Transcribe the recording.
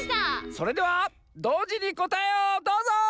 それではどうじにこたえをどうぞ！